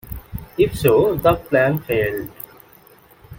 If so, the plan failed.